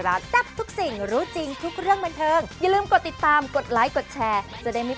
กับหลักศึกษาในเรื่องของการตกแต่งอะไรก็ว่ากันไป